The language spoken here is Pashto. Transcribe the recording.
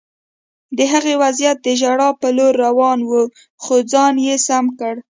د هغه وضعیت د ژړا په لور روان و خو ځان یې سم کړ